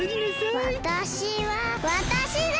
わたしはわたしだ！